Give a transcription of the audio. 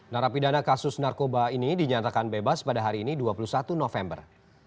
narapidana kasus narkoba ini dinyatakan bebas pada hari ini dua puluh satu november